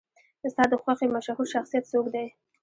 ستا د خوښې مشهور شخصیت څوک دی؟